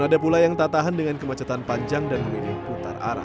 ada pula yang tak tahan dengan kemacetan panjang dan memilih putar arah